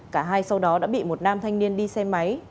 cả hai sau đó đã bị một nam thanh niên đi xe máy